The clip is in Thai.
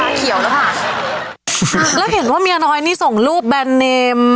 เขียวแล้วค่ะแล้วเห็นว่าเมียน้อยนี่ส่งรูปแบรนด์เนม